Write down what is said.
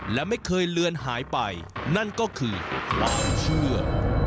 และไม่เคยเลือนหายไปนั่นก็คือความเชื่อ